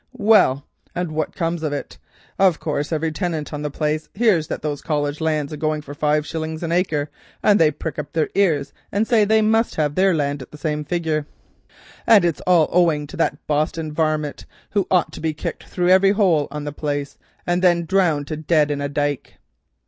Well, and what comes of it? Of course every tinant on the place hears that those College lands be going for five shillings an acre, and they prick up their ears and say they must have their land at the same figger, and it's all owing to that Boston varmint, who ought to be kicked through every holl on the place and then drowned to dead in a dyke."